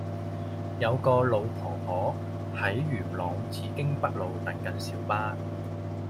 有個老婆婆喺元朗紫荊北路等緊小巴